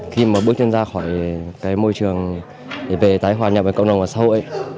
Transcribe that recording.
khi mà bước chân ra khỏi cái môi trường về tái hoạt nhập với cộng đồng và xã hội ấy